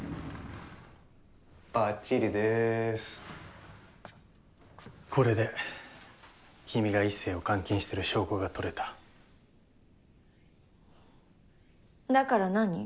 バッチリでーすこれで君が壱成を監禁してる証拠が撮れただから何？